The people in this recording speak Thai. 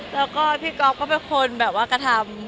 แล้วก็พี่ก๊อฟก็เป็นคนแบบว่ากระทำ